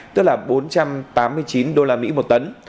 tức là bốn trăm tám mươi chín usd một tấn